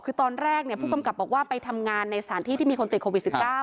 คือตอนแรกผู้กำกับบอกว่าไปทำงานในสถานที่ที่มีคนติดโควิด๑๙